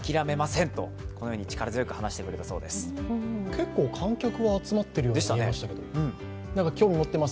結構観客は集まっているように見えましたけど。